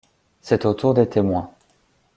C’est au tour des témoins.